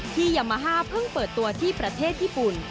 ยามาฮ่าเพิ่งเปิดตัวที่ประเทศญี่ปุ่น